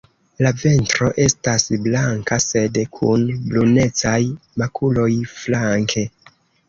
La ventro estas blanka sed kun brunecaj makuloj flanke.